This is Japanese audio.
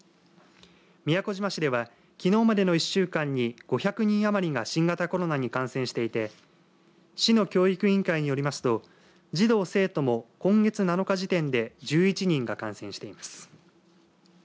宮古島市ではきのうまでの１週間に５００人余りが新型コロナに感染していて市の教育委員会によりますと児童生徒も今月７日時点で１１人が感染しています。